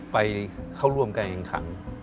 ไปเข้าร่วมการแข่งขัน